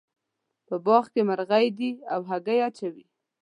په باغ کې مرغۍ دي او هګۍ اچوې